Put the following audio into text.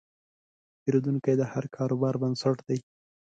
پیرودونکی د هر کاروبار بنسټ دی.